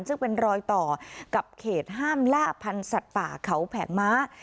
ซึ่งเป็นรอยต่อกับเขตห้ามล่าพันธุ์สัตว์ป่าเขาแผงม้า